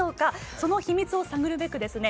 その秘密を探るべくですね